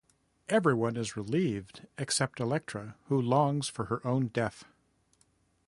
Everyone is relieved except Electra, who longs for her own death.